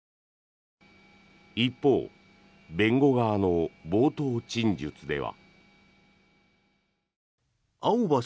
一方、弁護側の冒頭陳述では。